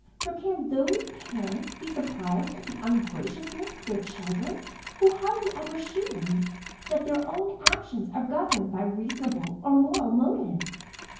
For can those parents be surprised at the ungraciousness of their children, who hardly ever shew them, that their own actions are governed by reasonable or moral motives?